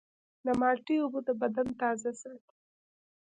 د مالټې اوبه د بدن تازه ساتي.